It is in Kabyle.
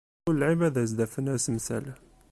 Kul lɛib ad as-d-afen asemsel.